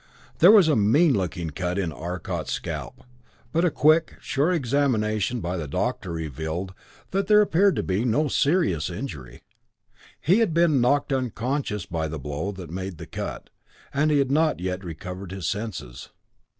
There was a mean looking cut in Arcot's scalp, but a quick, sure examination by the doctor revealed that there appeared to be no serious injury. He had been knocked unconscious by the blow that made the cut, and he had not yet recovered his senses.